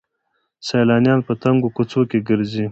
سیلانیان په تنګو کوڅو کې ګرځي.